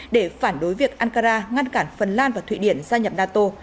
để phản đối việc ankara ngăn cản phần lan và thụy điển gia nhập nato